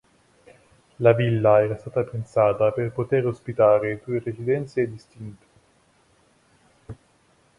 La villa era stata pensata per poter ospitare due residenze distinte.